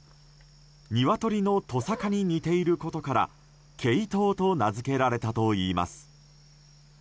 ニワトリのトサカに似ていることからケイトウと名付けられたといいます。